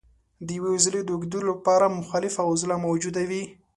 د یوې عضلې د اوږدېدو لپاره مخالفه عضله موجوده وي.